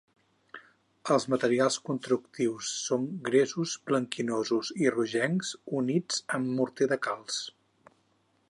Els materials constructius són gresos blanquinosos i rogencs units amb morter de calç.